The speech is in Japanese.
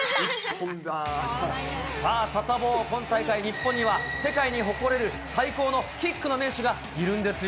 さあ、サタボー、今大会、日本には世界に誇れる最高のキックの名手がいるんですよ。